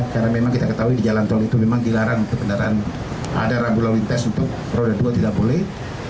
karena memang kita ketahui di jalan tol itu memang dilarang untuk kendaraan ada rambu lalu lintas untuk roda dua tidak boleh